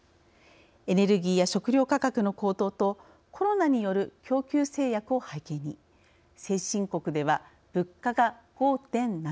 エネルギーや食料価格の高騰とコロナによる供給制約を背景に先進国では物価が５．７％。